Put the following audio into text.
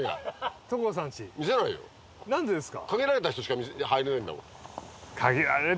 何でですか？